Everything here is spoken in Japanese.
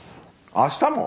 明日も？